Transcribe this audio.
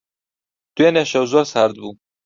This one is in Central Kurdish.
دوێنێ شەو زۆر سارد بوو.